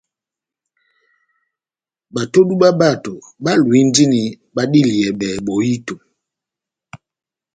Batodu bá bato báluwindini badiliyɛbɛ bohito.